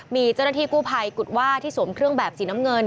มีเจ้าหน้าที่กู้ภัยกุฎว่าที่สวมเครื่องแบบสีน้ำเงิน